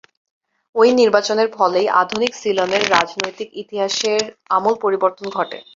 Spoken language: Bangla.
ঐ নির্বাচনের ফলেই আধুনিক সিলনের রাজনৈতিক ইতিহাসের আমূল পরিবর্তন ঘটে।